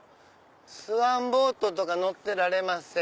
スワンボートとか乗ってられません。